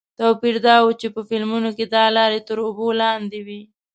توپیر دا و چې په فلمونو کې دا لارې تر اوبو لاندې وې.